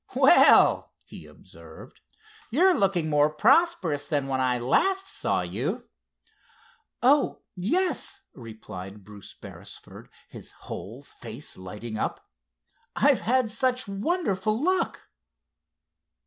"Well," he observed, "you're looking more prosperous than when I last saw you." "Oh, yes," replied Bruce Beresford, his whole face lighting up. "I've had such wonderful luck!"